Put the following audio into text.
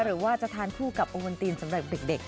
หรือว่าจะทานผู้กับองค์วันตีนสำหรับเด็ก